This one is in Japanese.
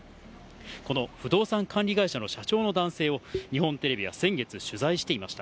この不動産管理会社の社長の男性を、日本テレビは先月、取材していました。